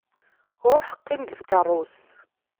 Ruḥ qqim deg tkeṛṛust.